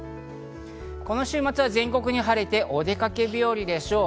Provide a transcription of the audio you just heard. この週末は全国的に晴れて、お出かけ日和でしょう。